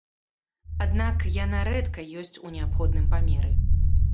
Аднак яна рэдка ёсць у неабходным памеры.